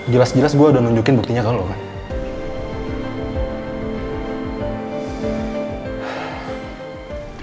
jelas jelas gue udah nunjukin buktinya kalau lo kan